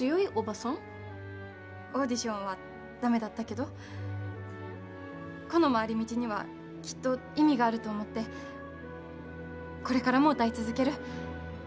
オーディションは駄目だったけどこの回り道にはきっと意味があると思ってこれからも歌い続ける。